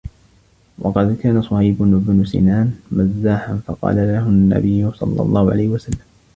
وَقَدْ كَانَ صُهَيْبُ بْنُ سِنَانٍ مَزَّاحًا فَقَالَ لَهُ النَّبِيُّ صَلَّى اللَّهُ عَلَيْهِ وَسَلَّمَ